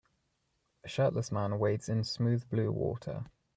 A shirtless man wades in smooth blue water.